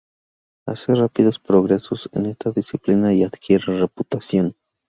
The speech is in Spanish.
Hace rápidos progresos en esa disciplina y adquiere reputación.